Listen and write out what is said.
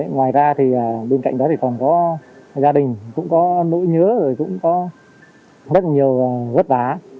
ngoài ra bên cạnh đó còn có gia đình cũng có nỗi nhớ cũng có rất nhiều gớt đá